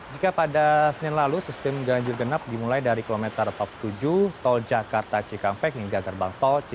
jika pada senin lalu sistem ganjil genap dimulai dari kilometer empat puluh tujuh tol jakarta cikampek hingga gerbang tol cikampek